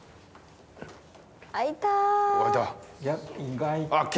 開いた。